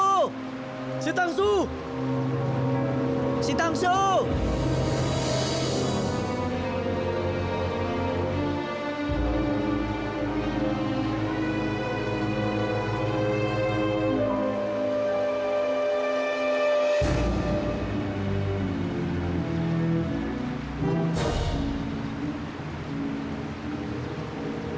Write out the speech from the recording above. kau pasti akan berjalan bersamamu